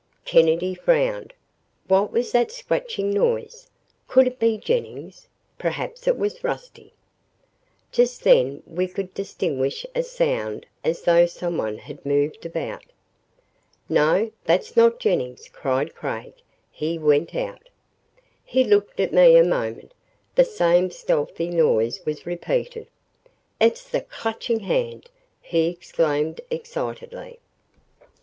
Kennedy frowned. What was that scratching noise? Could it be Jennings? Perhaps it was Rusty. Just then we could distinguish a sound as though someone had moved about. "No that's not Jennings," cried Craig. "He went out." He looked at me a moment. The same stealthy noise was repeated. "It's the Clutching Hand!" he exclaimed excitedly. ......